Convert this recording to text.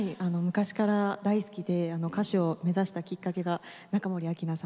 昔から大好きで歌手を目指したきっかけが中森明菜さんで。